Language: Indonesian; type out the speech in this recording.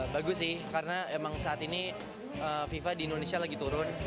bagus sih karena emang saat ini fifa di indonesia lagi turun